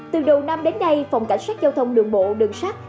từ đầu năm đến nay phòng cảnh sát giao thông đường bộ đường sát